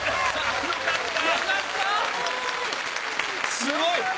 すごい！